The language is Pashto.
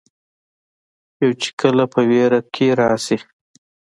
يو چې کله پۀ وېره کښې راشي